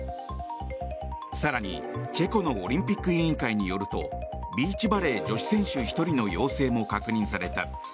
更に、チェコのオリンピック委員会によるとビーチバレー女子選手１人の陽性も確認された。